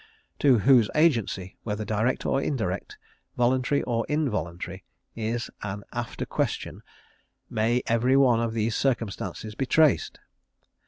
To whose agency, whether direct or indirect, voluntary or involuntary, is an after question, may every one of these circumstances be traced?